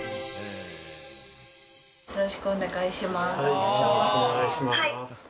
よろしくお願いします。